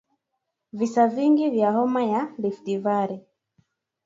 visa vingi vya homa ya Rift Valley